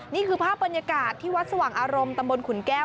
นี่คือภาพบรรยากาศที่วัดสว่างอารมณ์ตำบลขุนแก้ว